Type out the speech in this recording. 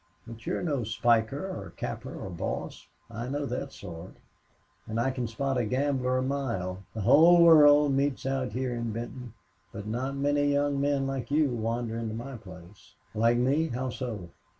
But you're no spiker or capper or boss. I know that sort. And I can spot a gambler a mile. The whole world meets out here in Benton. But not many young men like you wander into my place." "Like me? How so?"